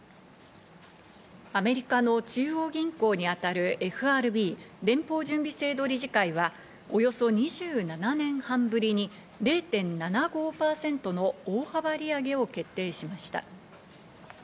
アメリカの中央銀行にあたるＦＲＢ＝連邦準備制度理事会は、およそ２７年半ぶりに０．７５％の大幅利上げを決定しました。